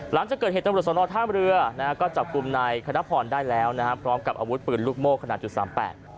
หลังจากเกิดเหตุโรศนอดท่ามเรือก็จับกลุ่มนายคณพรได้แล้วนะครับพร้อมกับอาวุธปืนลูกโม่ขนาด๓๘